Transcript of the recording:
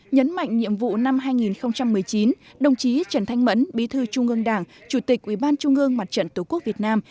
nhấn mạnh nhiệm vụ năm hai nghìn một mươi chín đồng chí trần thanh mẫn bí thư trung ương đảng chủ tịch ủy ban trung ương mặt trận tổ quốc việt nam